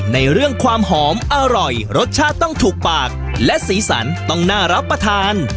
ในเรื่องความหอมอร่อยรสชาติต้องถูกปากและสีสันต้องน่ารับประทาน